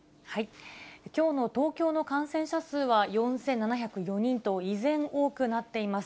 きょうの東京の感染者数は４７０４人と、依然多くなっています。